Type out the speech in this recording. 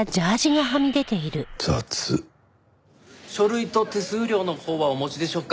雑書類と手数料のほうはお持ちでしょうか？